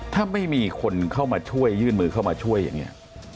ถ้าไม่มีคนเข้ามาช่วยยื่นมือเข้ามาช่วยอย่างนี้